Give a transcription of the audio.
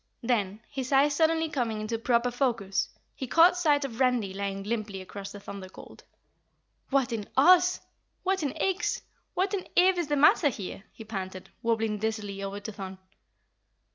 Then, his eyes suddenly coming into proper focus, he caught sight of Randy lying limply across the Thunder Colt. "What in Oz? What in Ix? What in Ev is the matter here?" he panted, wobbling dizzily over to Thun.